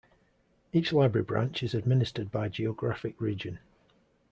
Each library branch is administered by geographic region.